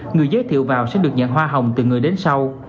người giới thiệu vào sẽ được nhận hoa hồng từ người đến sau